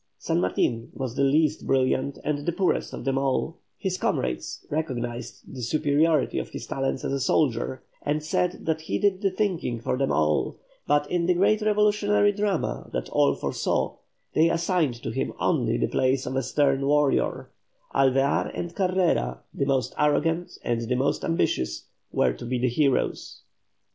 San Martin was the least brilliant and the poorest of them all; his comrades recognised the superiority of his talents as a soldier, and said that he did the thinking for them all, but in the great revolutionary drama that all foresaw they assigned to him only the place of a stern warrior; Alvear and Carrera, the most arrogant and the most ambitious, were to be the heroes.